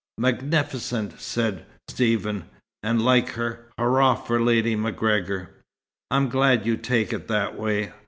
"Magnificent!" said Stephen. "And like her. Hurrah for Lady MacGregor!" "I'm glad you take it that way.